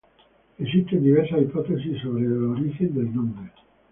Existen diversas hipótesis sobre el origen del nombre.